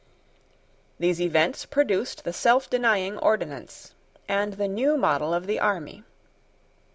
These events produced the Selfdenying Ordinance and the new model of the army.